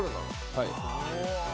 はい。